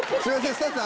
スタッフさん。